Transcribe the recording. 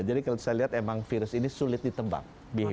jadi kalau saya lihat virus ini sulit ditebak